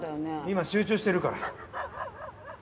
今集中してるから。